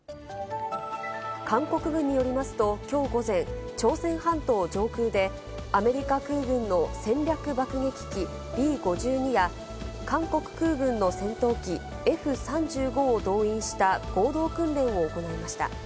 韓国軍によりますと、きょう午前、朝鮮半島上空で、アメリカ空軍の戦略爆撃機Ｂ５２や、韓国空軍の戦闘機、Ｆ３５を動員した合同訓練を行いました。